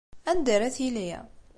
Anda ara tili?